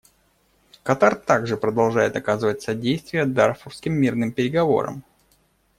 Катар также продолжает оказывать содействие дарфурским мирным переговорам.